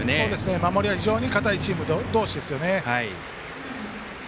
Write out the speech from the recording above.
守りは非常に堅いチーム同士ですよね。